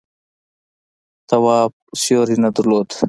تواب سیوری نه درلود.